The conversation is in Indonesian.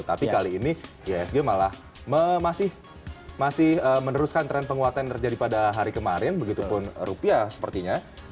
tapi kali ini ihsg malah masih meneruskan tren penguatan yang terjadi pada hari kemarin begitu pun rupiah sepertinya